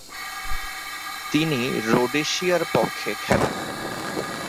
তিনি রোডেশিয়ার পক্ষে খেলেন।